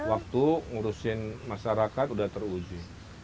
waktu ngurusin masyarakat udah teruji